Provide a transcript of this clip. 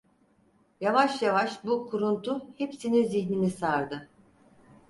Yavaş yavaş bu kuruntu hepsini zihnini sardı.